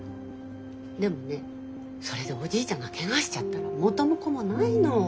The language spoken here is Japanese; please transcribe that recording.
でもねそれでおじいちゃんがけがしちゃったら元も子もないの。